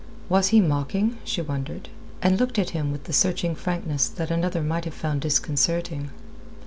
Was he mocking, she wondered, and looked at him with the searching frankness that another might have found disconcerting.